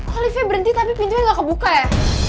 kok liftnya berenti tapi pintunya gak kebuka ya